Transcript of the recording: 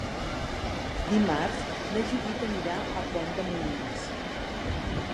Dimarts na Judit anirà a Pont de Molins.